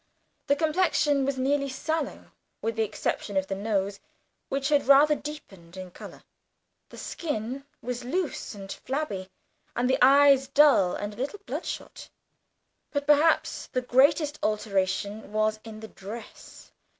The complexion was nearly sallow, with the exception of the nose, which had rather deepened in colour. The skin was loose and flabby, and the eyes dull and a little bloodshot. But perhaps the greatest alteration was in the dress.